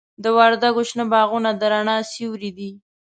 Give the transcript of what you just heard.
د وردګو شنه باغونه د رڼا سیوري دي.